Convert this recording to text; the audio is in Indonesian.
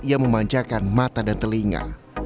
ia memanjakan mata dan telinga